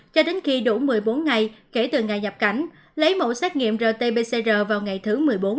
cho đến khi đủ một mươi bốn ngày kể từ ngày nhập cảnh lấy mẫu xét nghiệm rt pcr vào ngày thứ một mươi bốn